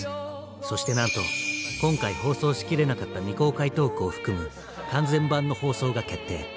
そしてなんと今回放送しきれなかった未公開トークを含む完全版の放送が決定。